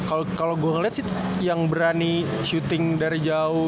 kalau gue ngeliat sih yang berani syuting dari jauh